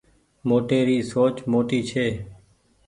موٽي ري سوچ موٽي ڇي